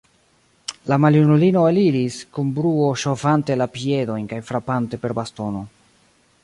La maljunulino eliris, kun bruo ŝovante la piedojn kaj frapante per bastono.